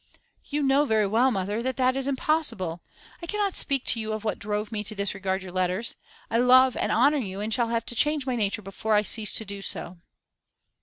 'You know very well, mother, that that is impossible. I cannot speak to you of what drove me to disregard your letters. I love and honour you, and shall have to change my nature before I cease to do so.